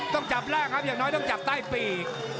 ต้องจับร่างครับอย่างน้อยต้องจับใต้ปีก